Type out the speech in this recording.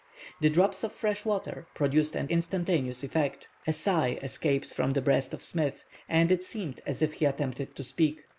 The drops of fresh water produced an instantaneous effect. A sigh escaped from the breast of Smith, and it seemed as if he attempted to speak.